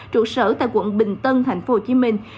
trụ sở tại quận bình tân thành phố hồ chí minh